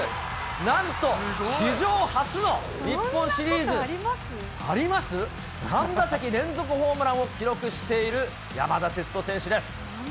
なんと史上初の日本シリーズ３打席連続ホームランを記録している山田哲人選手です。